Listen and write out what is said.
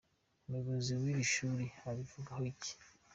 Umuyobozi w’iri shuri abivugaho iki ?.